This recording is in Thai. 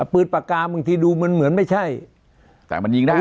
ปืนปากกาบางทีดูเหมือนไม่ใช่